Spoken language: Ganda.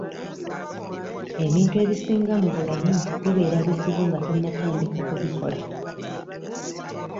Ebintu ebisinga mu bulamu bibeera bizibu nga tonnabitandika kubikola.